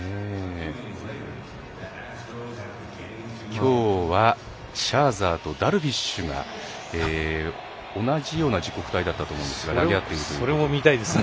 きょうはシャーザーとダルビッシュが同じような時刻だと思うんですが投げ合っています。